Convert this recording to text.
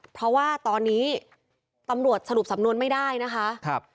เพราะว่าตอนนี้ตำรวจสรุปสำนวนไม่ได้นะคะ